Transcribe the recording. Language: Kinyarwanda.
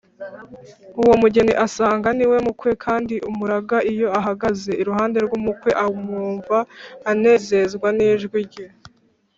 Uwo umugeni asanga niwe mukwe, kandi umuranga iyo ahagaze iruhande rw’umukwe amwumva anezezwa n’ijwi rye.”